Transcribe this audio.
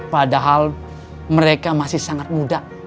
padahal mereka masih sangat muda